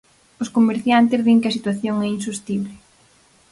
Os comerciantes din que a situación é insostible.